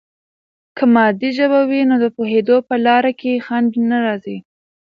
که مادي ژبه وي، نو د پوهیدو په لاره کې خنډ نه راځي.